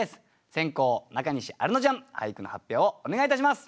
先攻中西アルノちゃん俳句の発表をお願いいたします。